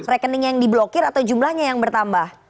rekening yang diblokir atau jumlahnya yang bertambah